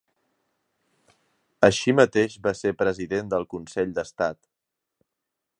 Així mateix va ser president del Consell d'Estat.